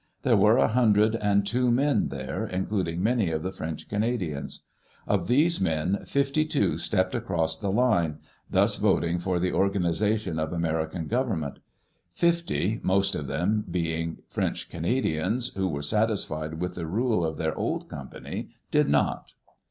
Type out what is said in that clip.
There were a hundred and two men there, including many of the French Canadians. Of these men, fifty two stepped across the line, thus voting for the organization of American government; fifty, most of them being French Canadians, who were satisfied with the rule of their old company, did not.